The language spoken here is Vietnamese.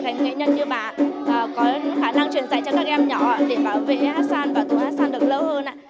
có khả năng truyền dạy cho các em nhỏ để bảo vệ hát xoan và tù hát xoan được lâu hơn ạ